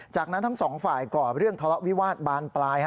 จากนั้นทั้งสองฝ่ายก่อเรื่องทะเลาะวิวาสบานปลาย